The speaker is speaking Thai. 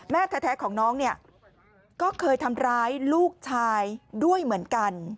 แม่แท้ของน้องเนี่ยก็เคยทำร้ายลูกชายด้วยเหมือนกัน